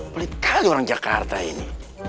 pelit kali orang jakarta ini